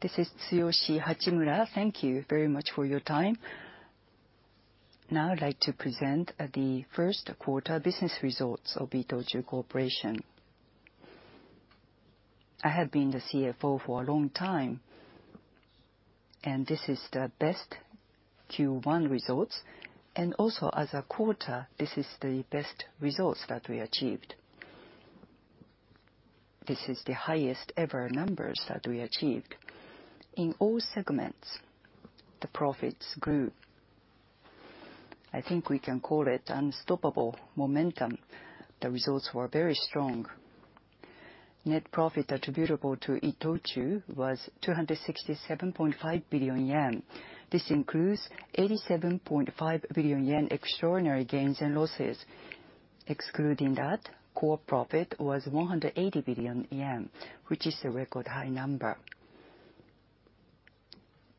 This is Tsuyoshi Hachimura. Thank you very much for your time. Now I'd like to present the first quarter business results of ITOCHU Corporation. I have been the CFO for a long time, and this is the best Q1 results, and also as a quarter, this is the best results that we achieved. This is the highest ever numbers that we achieved. In all segments, the profits grew. I think we can call it unstoppable momentum. The results were very strong. Net profit attributable to ITOCHU was 267.5 billion yen. This includes 87.5 billion yen extraordinary gains and losses. Excluding that, core profit was 180 billion yen, which is a record high number.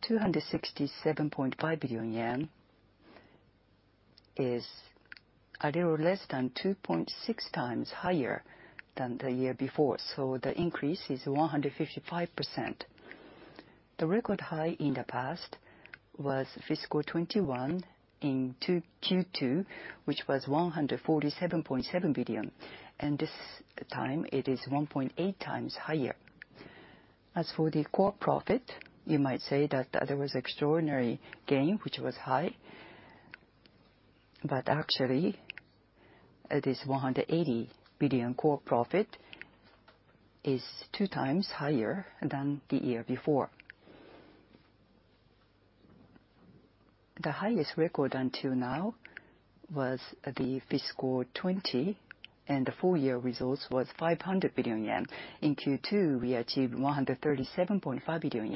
267.5 billion yen is a little less than 2.6x higher than the year before. The increase is 155%. The record high in the past was fiscal 2021 in Q2, which was 147.7 billion. This time it is 1.8x higher. As for the core profit, you might say that there was extraordinary gain, which was high, but actually, it is 180 billion core profit, is 2x higher than the year before. The highest record until now was the fiscal 2020, and the full-year results was 500 billion yen. In Q2, we achieved 137.5 billion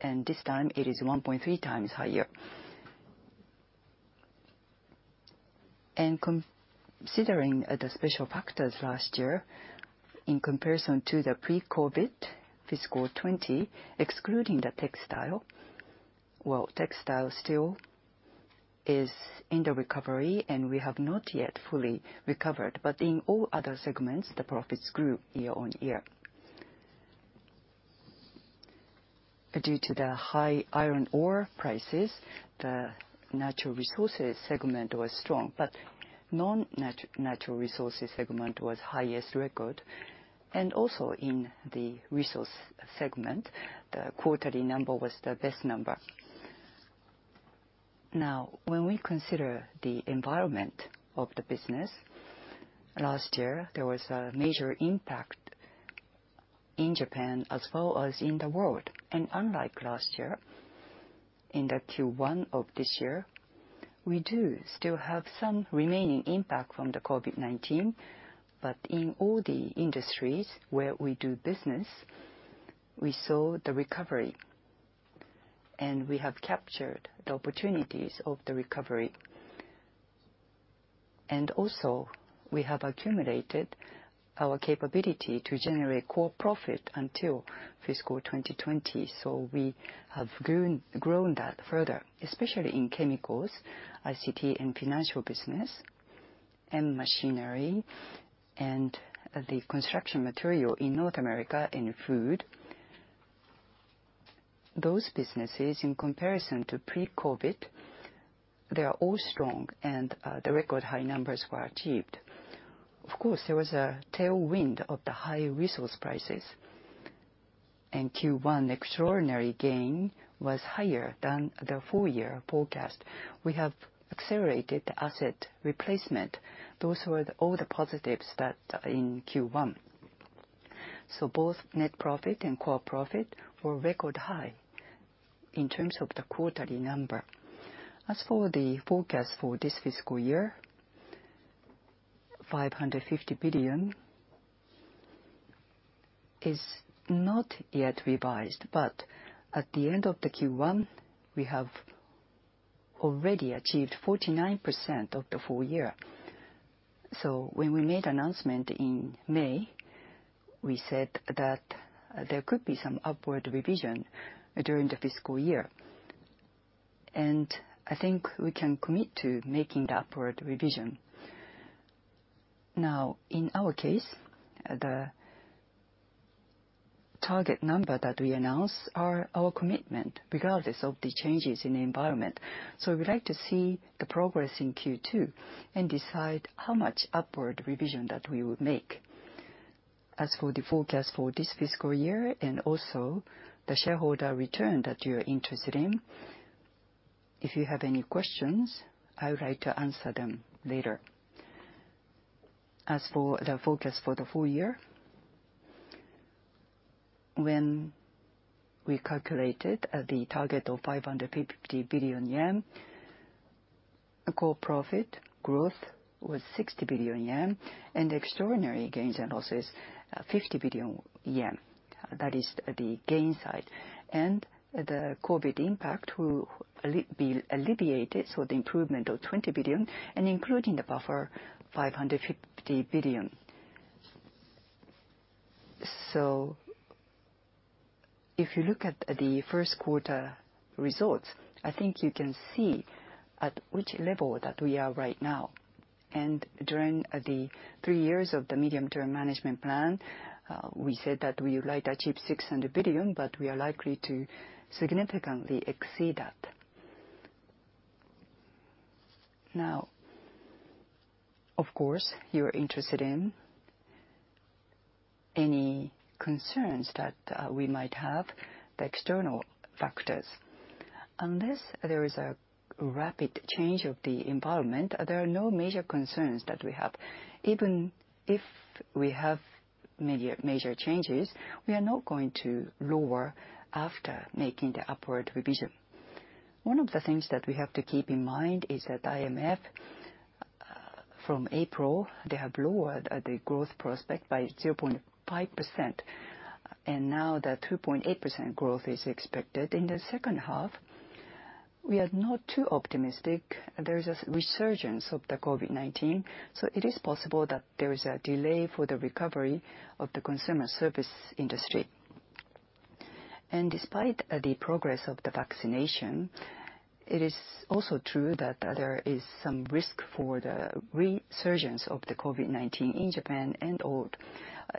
yen, this time it is 1.3x higher. Considering the special factors last year, in comparison to the pre-COVID fiscal 2020, excluding the textile. Well, textile still is in the recovery, and we have not yet fully recovered, but in all other segments, the profits grew year-on-year. Due to the high iron ore prices, the natural resources segment was strong, but non-natural resources segment was highest record. Also in the resource segment, the quarterly number was the best number. Now, when we consider the environment of the business, last year, there was a major impact in Japan as well as in the world. Unlike last year, in the Q1 of this year, we do still have some remaining impact from the COVID-19, but in all the industries where we do business, we saw the recovery, and we have captured the opportunities of the recovery. Also, we have accumulated our capability to generate core profit until fiscal 2020. We have grown that further, especially in chemicals, ICT, and financial business, and machinery, and the construction material in North America, and food. Those businesses, in comparison to pre-COVID, they are all strong, and the record high numbers were achieved. Of course, there was a tailwind of the high resource prices. In Q1, extraordinary gain was higher than the full-year forecast. We have accelerated the asset replacement. Those were all the positives that are in Q1. Both net profit and core profit were record high in terms of the quarterly number. As for the forecast for this fiscal year, JPY 550 billion is not yet revised, but at the end of the Q1, we have already achieved 49% of the full-year. When we made announcement in May, we said that there could be some upward revision during the fiscal year. I think we can commit to making the upward revision. Now, in our case, the target number that we announce are our commitment, regardless of the changes in the environment. We'd like to see the progress in Q2 and decide how much upward revision that we would make. As for the forecast for this fiscal year, and also the shareholder return that you're interested in, if you have any questions, I would like to answer them later. As for the forecast for the full-year, when we calculated the target of 550 billion yen, core profit growth was 60 billion yen, and extraordinary gains and losses, 50 billion yen. That is the gain side. The COVID impact will be alleviated, the improvement of 20 billion, and including the buffer, 550 billion. If you look at the first quarter results, I think you can see at which level that we are right now. During the three years of the medium-term management plan, we said that we would like to achieve 600 billion, we are likely to significantly exceed that. Of course, you're interested in any concerns that we might have, the external factors. Unless there is a rapid change of the environment, there are no major concerns that we have. Even if we have major changes, we are not going to lower after making the upward revision. One of the things that we have to keep in mind is that IMF, from April, they have lowered the growth prospect by 0.5%, and now the 2.8% growth is expected. In the second half, we are not too optimistic. There is a resurgence of the COVID-19, so it is possible that there is a delay for the recovery of the consumer service industry. Despite the progress of the vaccination, it is also true that there is some risk for the resurgence of the COVID-19 in Japan and, or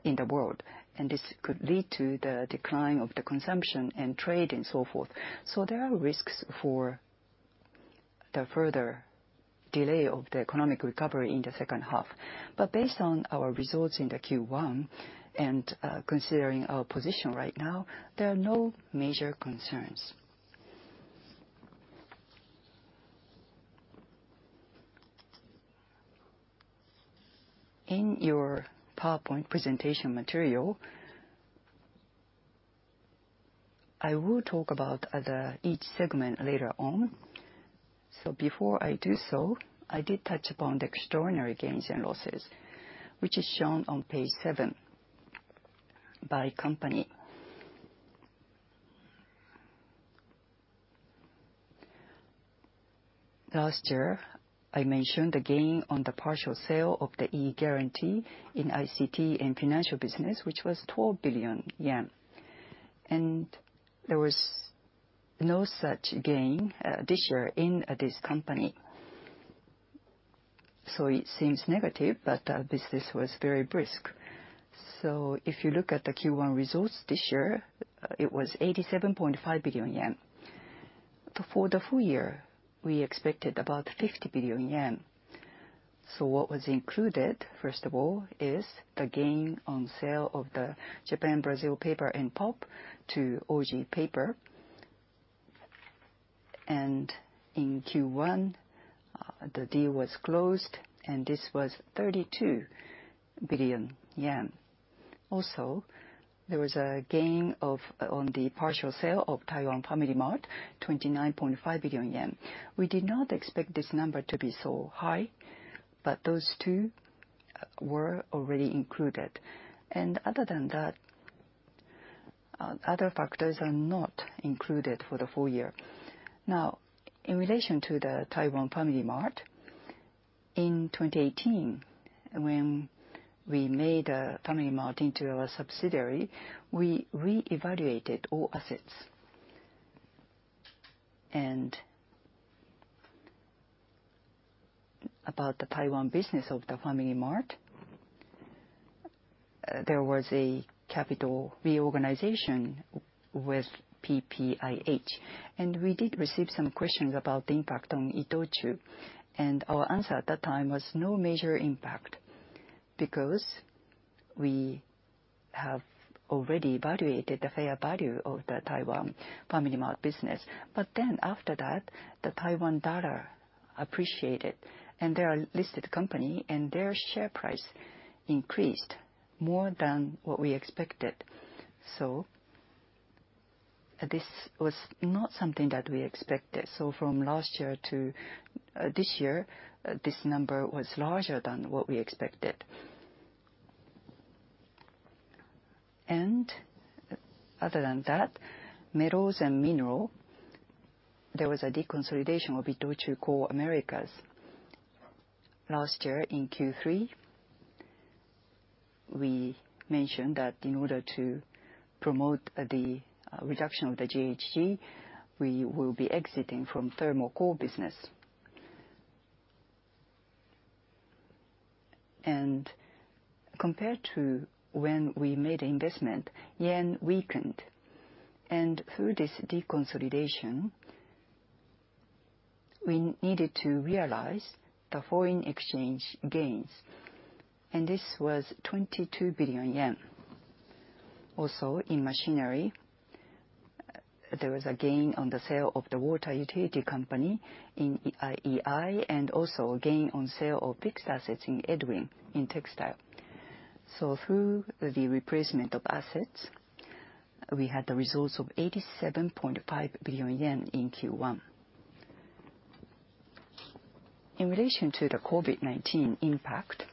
in the world, and this could lead to the decline of the consumption in trade and so forth. There are risks for the further delay of the economic recovery in the second half. Based on our results in the Q1, and considering our position right now, there are no major concerns. In your PowerPoint presentation material, I will talk about each segment later on. Before I do so, I did touch upon the extraordinary gains and losses, which is shown on Page seven by company. Last year, I mentioned the gain on the partial sale of the eGuarantee in ICT and financial business, which was 12 billion yen, and there was no such gain this year in this company. It seems negative, but business was very brisk. If you look at the Q1 results this year, it was 87.5 billion yen. For the full-year, we expected about 50 billion yen. What was included, first of all, is the gain on sale of the Japan Brazil Paper and Pulp to Oji Paper. In Q1, the deal was closed, and this was 32 billion yen. Also, there was a gain on the partial sale of Taiwan FamilyMart, 29.5 billion yen. We did not expect this number to be so high, but those two were already included. Other than that, other factors are not included for the full-year. In relation to the Taiwan FamilyMart, in 2018, when we made FamilyMart into a subsidiary, we reevaluated all assets. About the Taiwan business of the FamilyMart, there was a capital reorganization with PPIH, and we did receive some questions about the impact on ITOCHU. Our answer at that time was no major impact, because we have already evaluated the fair value of the Taiwan FamilyMart business. After that, the Taiwan dollar appreciated, and they are a listed company, and their share price increased more than what we expected. This was not something that we expected. From last year to this year, this number was larger than what we expected. Other than that, metals and mineral, there was a deconsolidation of ITOCHU Coal Americas. Last year in Q3, we mentioned that in order to promote the reduction of the GHG, we will be exiting from thermal coal business. Compared to when we made investment, yen weakened. Through this deconsolidation, we needed to realize the foreign exchange gains, and this was 22 billion yen. In machinery, there was a gain on the sale of the water utility company in EIEI, and also a gain on sale of fixed assets in Edwin in textile. Through the replacement of assets, we had the results of 87.5 billion yen in Q1. In relation to the COVID-19 impact,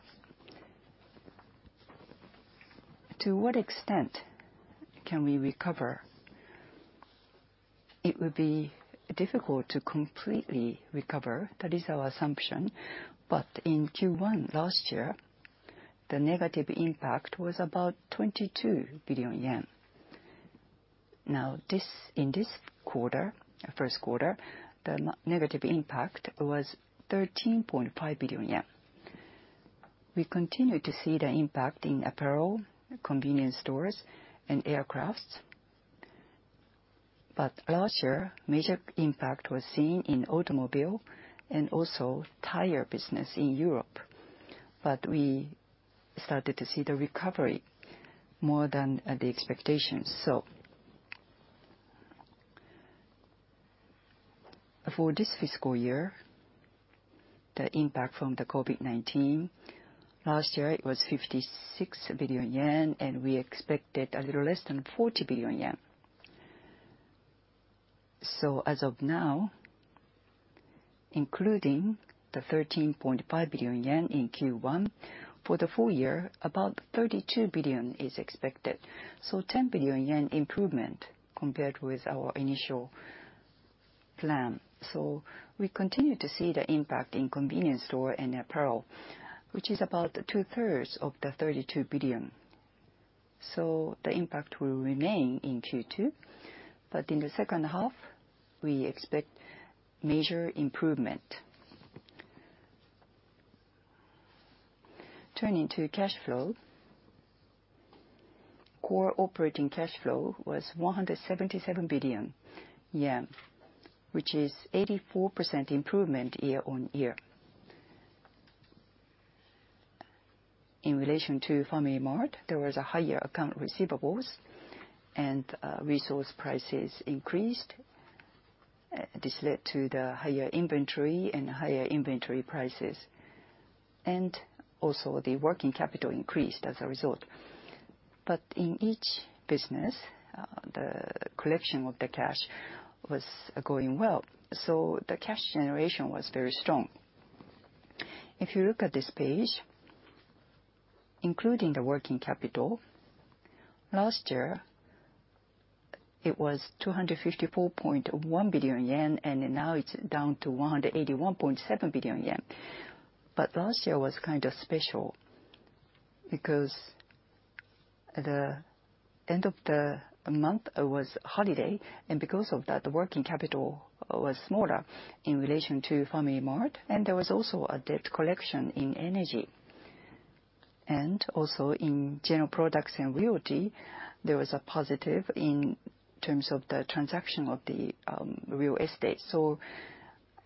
to what extent can we recover? It would be difficult to completely recover. That is our assumption. In Q1 last year, the negative impact was about 22 billion yen. In this quarter, first quarter, the negative impact was 13.5 billion yen. We continue to see the impact in apparel, convenience stores, and aircraft. Last year, major impact was seen in automobile and also tire business in Europe. We started to see the recovery more than the expectations. For this fiscal year, the impact from the COVID-19, last year it was 56 billion yen, and we expected a little less than 40 billion yen. As of now, including the 13.5 billion yen in Q1, for the full-year, about 32 billion is expected. 10 billion yen improvement compared with our initial plan. We continue to see the impact in convenience store and apparel, which is about two-thirds of the 32 billion. The impact will remain in Q2, but in the second half, we expect major improvement. Turning to cash flow, core operating cash flow was 177 billion yen, which is 84% improvement year-on-year. In relation to FamilyMart, there was a higher accounts receivable, and resource prices increased. This led to the higher inventory and higher inventory prices, and also the working capital increased as a result. In each business, the collection of the cash was going well. The cash generation was very strong. If you look at this page, including the working capital, last year, it was 254.1 billion yen, and now it's down to 181.7 billion yen. Last year was kind of special because the end of the month was holiday, and because of that, the working capital was smaller in relation to FamilyMart, and there was also a debt collection in energy. Also, in general products and royalty, there was a positive in terms of the transaction of the real estate.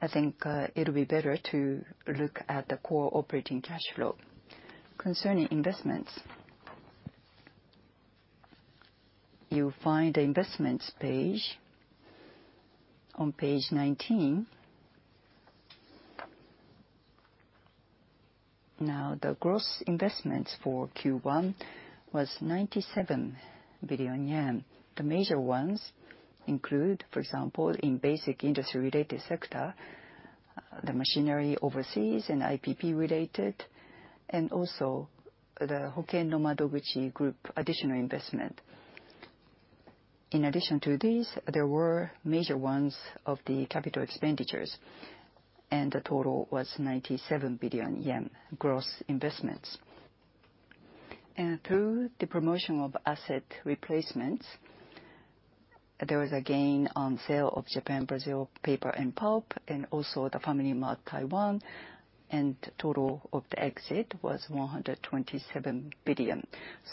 I think it'll be better to look at the core operating cash flow. Concerning investments, you find the investments page on Page 19. The gross investments for Q1 was 97 billion yen. The major ones include, for example, in basic industry-related sector the machinery overseas and IPP related, and also the Hoken no Madoguchi Group additional investment. In addition to these, there were major ones of the capital expenditures, and the total was 97 billion yen gross investments. Through the promotion of asset replacements, there was a gain on sale of Japan Brazil Paper and Pulp, also the Taiwan FamilyMart, total of the exit was 127 billion.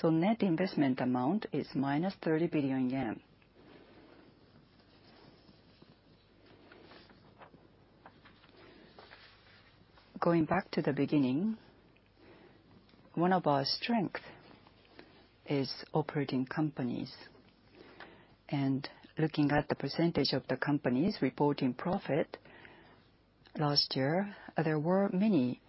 Net investment amount is -30 billion yen. Going back to the beginning, one of our strength is operating companies. Looking at the percentage of the companies reporting profit, last year, there were many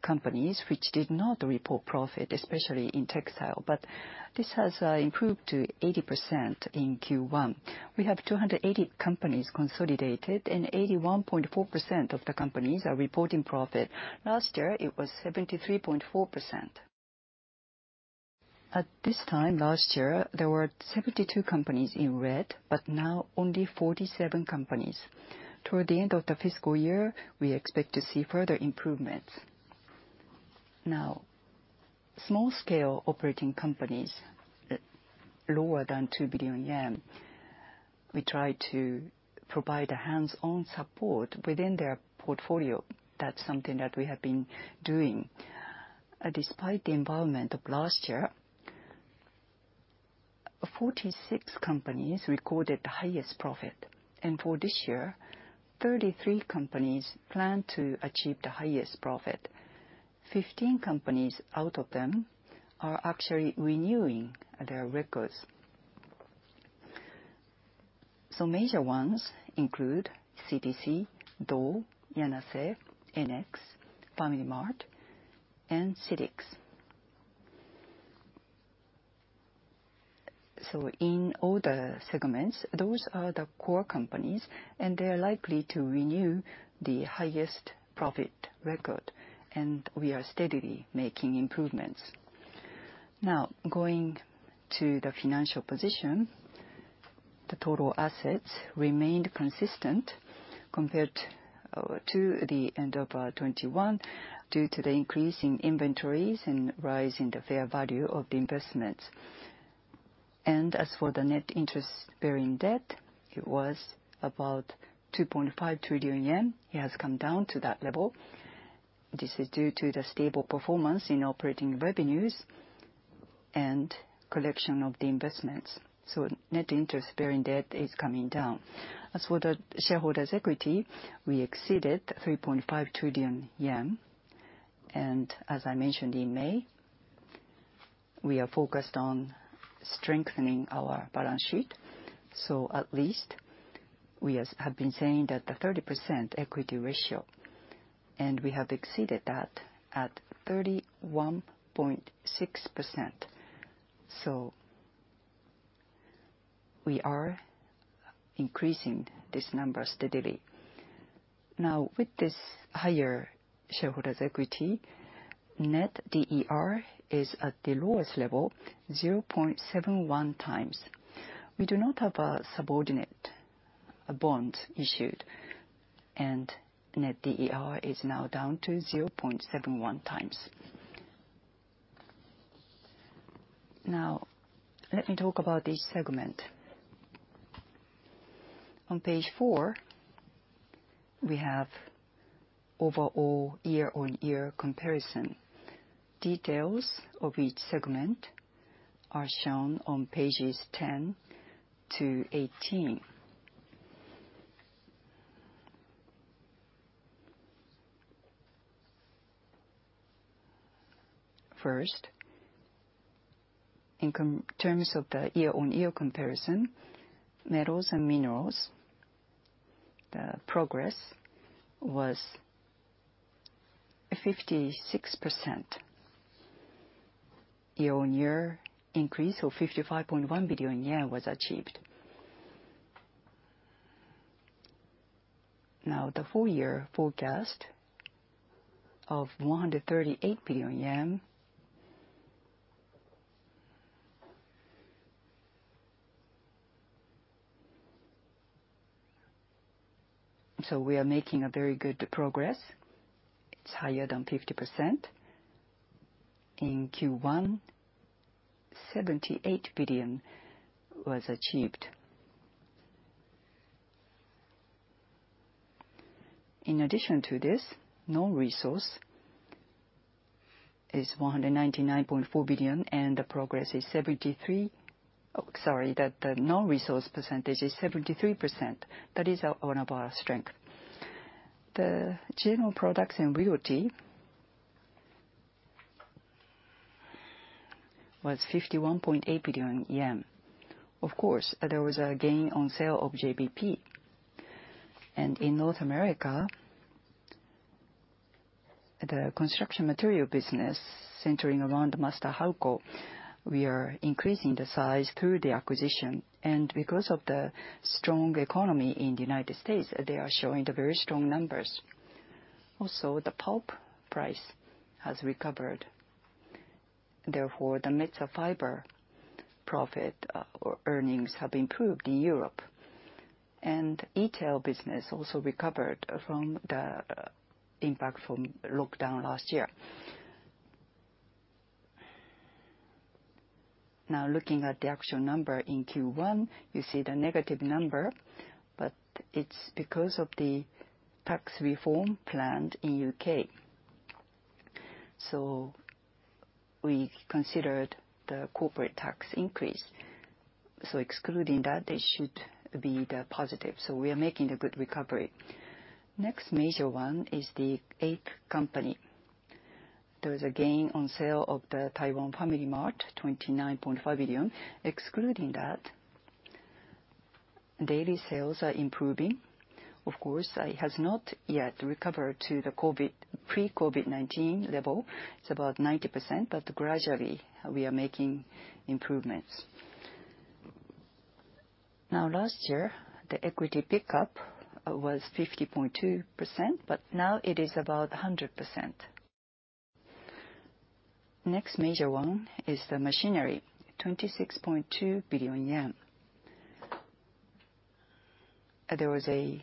companies which did not report profit, especially in textile. This has improved to 80% in Q1. We have 280 companies consolidated, and 81.4% of the companies are reporting profit. Last year, it was 73.4%. At this time last year, there were 72 companies in red, but now only 47 companies. Toward the end of the fiscal year, we expect to see further improvements. Small scale operating companies, lower than 2 billion yen, we try to provide a hands-on support within their portfolio. That's something that we have been doing. Despite the involvement of last year, 46 companies recorded the highest profit, and for this year, 33 companies plan to achieve the highest profit. 15 companies out of them are actually renewing their records. Major ones include CTC, Dole, Yanase, Enex, FamilyMart, and CITIC. In all the segments, those are the core companies, and they are likely to renew the highest profit record, and we are steadily making improvements. Going to the financial position. The total assets remained consistent compared to the end of 2021, due to the increase in inventories and rise in the fair value of the investments. As for the net interest bearing debt, it was about 2.5 trillion yen. It has come down to that level. This is due to the stable performance in operating revenues and collection of the investments. Net interest bearing debt is coming down. As for the shareholders' equity, we exceeded 3.5 trillion yen. As I mentioned in May, we are focused on strengthening our balance sheet. At least we have been saying that the 30% equity ratio, and we have exceeded that at 31.6%. We are increasing this number steadily. With this higher shareholders' equity, Net DER is at the lowest level, 0.71x. We do not have a subordinate bond issued, and Net DER is now down to 0.71x. Let me talk about each segment. On Page four, we have overall year-on-year comparison. Details of each segment are shown on pages 10-18. First, in terms of the year-on-year comparison, metals and minerals, the progress was 56% year-on-year increase, or 55.1 billion yen was achieved. The full-year forecast of JPY 138 billion. We are making very good progress. It's higher than 50%. In Q1, 78 billion was achieved. In addition to this, non-resource is 199.4 billion, and Sorry, the non-resource percentage is 73%. That is one of our strengths. The general products and royalty was 51.8 billion yen. Of course, there was a gain on sale of JBP. In North America, the construction material business centering around Master-Halco, we are increasing the size through the acquisition. Because of the strong economy in the United States, they are showing very strong numbers. Also, the pulp price has recovered. Therefore, the Metsä Fibre profit, or earnings, have improved in Europe. Retail business also recovered from the impact from lockdown last year. Looking at the actual number in Q1, you see the negative number, but it's because of the tax reform planned in U.K. We considered the corporate tax increase. Excluding that, they should be positive. We are making a good recovery. Next major one is The 8th Company. There was a gain on sale of the Taiwan FamilyMart, 29.5 billion. Excluding that, daily sales are improving. Of course, it has not yet recovered to the pre-COVID-19 level. It's about 90%, but gradually we are making improvements. Last year, the equity pickup was 50.2%, but now it is about 100%. Next major one is the machinery, JPY 26.2 billion. There was a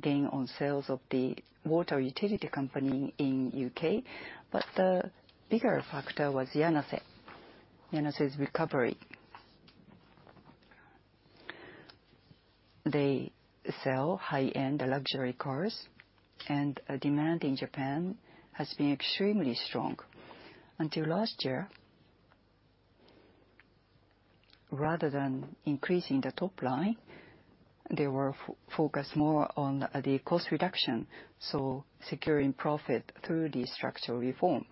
gain on sales of the water utility company in U.K. The bigger factor was Yanase. Yanase's recovery. They sell high-end luxury cars, and demand in Japan has been extremely strong. Until last year, rather than increasing the top line, they were focused more on the cost reduction. Securing profit through the structural reform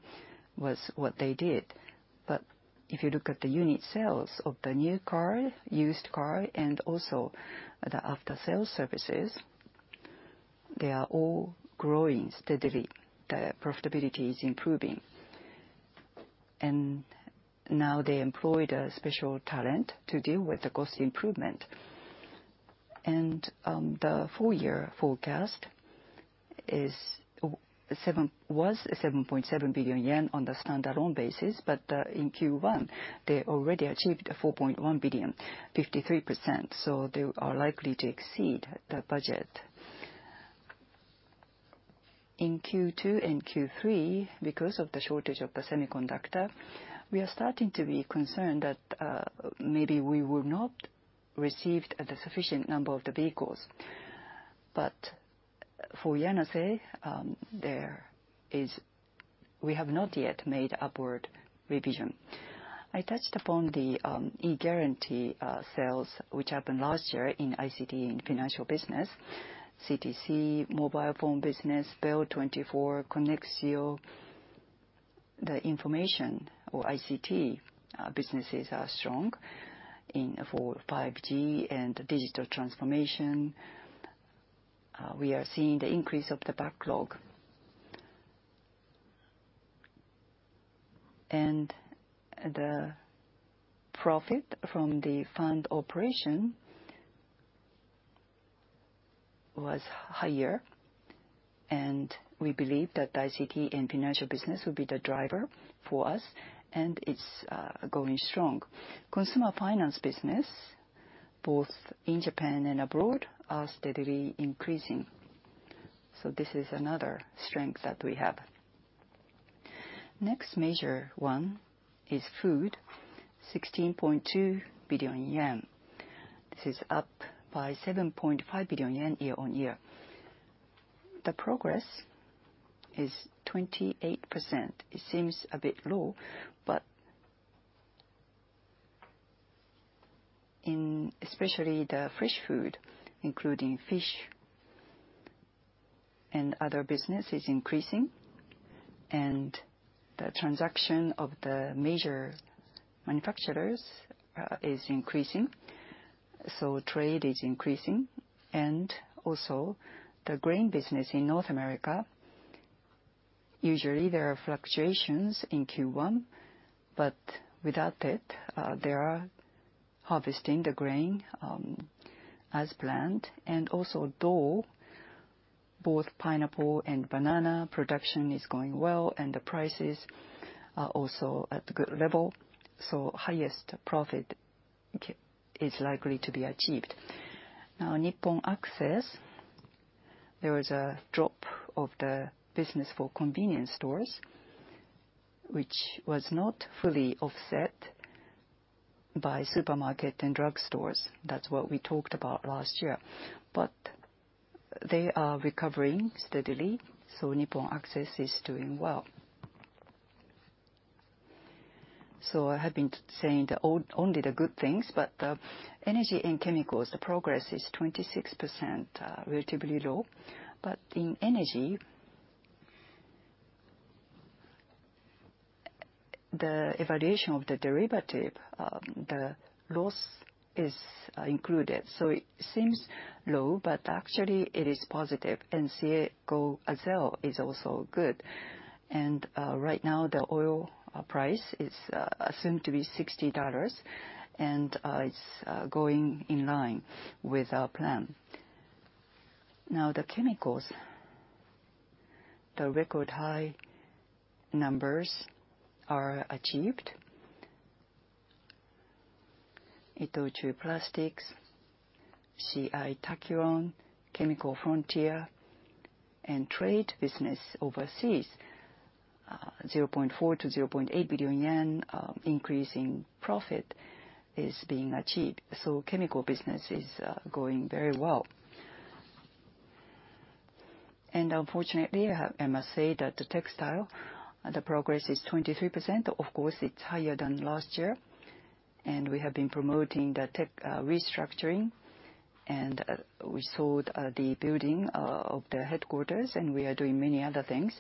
was what they did. If you look at the unit sales of the new car, used car, and also the after-sales services, they are all growing steadily. The profitability is improving, and now they employed a special talent to deal with the cost improvement. The full-year forecast was 7.7 billion yen on the standalone basis. In Q1, they already achieved 4.1 billion, 53%, so they are likely to exceed the budget. In Q2 and Q3, because of the shortage of the semiconductor, we are starting to be concerned that maybe we will not receive the sufficient number of the vehicles. For Yanase, we have not yet made upward revision. I touched upon the eGuarantee sales, which happened last year in ICT and financial business. CTC mobile phone business, Bell24, Connexio, the information or ICT businesses are strong. For 5G and digital transformation, we are seeing the increase of the backlog. The profit from the fund operation was higher, and we believe that ICT and financial business will be the driver for us, and it's going strong. Consumer finance business, both in Japan and abroad, are steadily increasing. This is another strength that we have. Next major one is food, 16.2 billion yen. This is up by 7.5 billion yen year-on-year. The progress is 28%. It seems a bit low, in especially the fresh food, including fish, and other business is increasing, and the transaction of the major manufacturers is increasing, trade is increasing. The grain business in North America, usually there are fluctuations in Q1, but without it, they are harvesting the grain, as planned. Dole, both pineapple and banana production is going well, and the prices are also at a good level, so highest profit is likely to be achieved. Nippon Access, there was a drop of the business for convenience stores, which was not fully offset by supermarket and drugstores. That's what we talked about last year. They are recovering steadily, so Nippon Access is doing well. I have been saying only the good things, but energy and chemicals, the progress is 26%, relatively low. In energy, the evaluation of the derivative, the loss is included. It seems low, but actually it is positive. CIECO Azer is also good. Right now, the oil price is assumed to be $60, and it's going in line with our plan. The chemicals, the record high numbers are achieved. ITOCHU Plastics, C.I. TAKIRON, Chemical Frontier, and trade business overseas, 0.4 billion-0.8 billion yen increase in profit is being achieved. Chemical business is going very well. Unfortunately, I must say that the textile, the progress is 23%. Of course, it's higher than last year. We have been promoting the tech restructuring, and we sold the building of the headquarters, and we are doing many other things.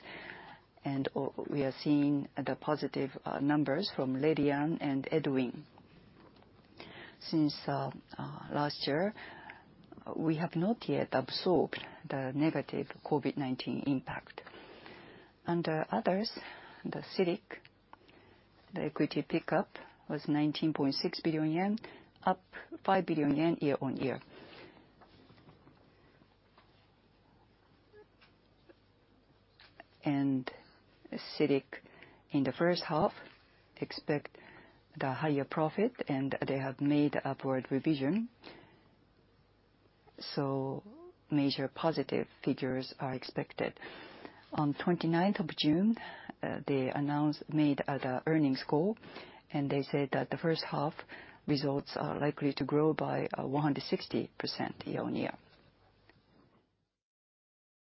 We are seeing the positive numbers from Leilian and Edwin. Since last year, we have not yet absorbed the negative COVID-19 impact. Under others, the CITIC, the equity pickup was 19.6 billion yen, up 5 billion yen year-on-year. CITIC in the first half expect the higher profit. They have made upward revision. Major positive figures are expected. On 29th of June, they made the earnings call, and they said that the first half results are likely to grow by 160% year-on-year.